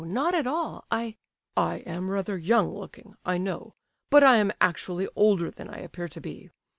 not at all—I—" "I am rather young looking, I know; but I am actually older than I appear to be.